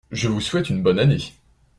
Je vous souhaite une bonne année.